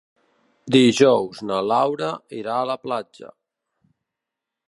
Dijous na Laura irà a la platja.